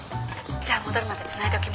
じゃあ戻るまでつないでおきます。